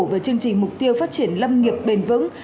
và chương trình mục tiêu phát triển lâm nghiệp bền vững